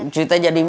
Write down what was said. cerita jadi ma